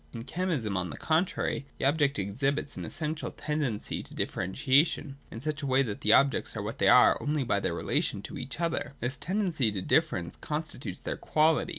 In chemism, on the contrary, the object exhibits an essential tendency to differentiation, in such a way that the objects are what they are only by their relation to each other : this tendency to difference constitutes their quality.